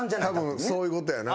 たぶんそういうことやな。